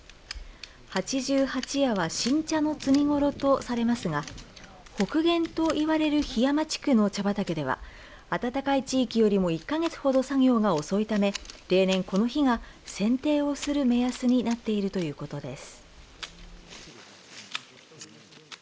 八十八夜は新茶の摘みごろとされますが北限といわれる桧山地区の茶畑では暖かい地域よりも１か月ほど作業が遅いため例年、この日がせんていをする目安になっているということです。